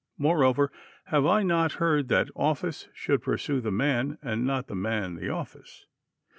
Moreover, have I not heard that office should pursue the man, and not the man the office?